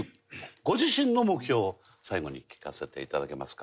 ご自身の目標を最後に聞かせて頂けますか？